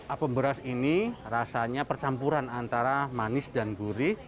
apem beras ini rasanya percampuran antara manis dan gurih